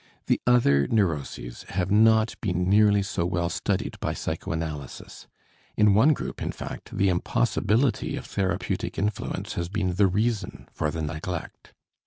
The other neuroses have not been nearly so well studied by psychoanalysis, in one group, in fact, the impossibility of therapeutic influence has been the reason for the neglect.